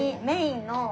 メインの？